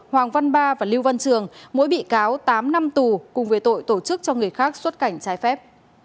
hoàng văn ba và lưu văn trường mỗi bị cáo tám năm tù cùng với tội tổ chức cho người khác xuất cảnh trái phép